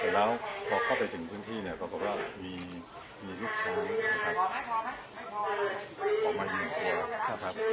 แล้วพอเข้าไปถึงพื้นที่ก็บอกว่ามีลูกช้างออกมาอยู่ของตัว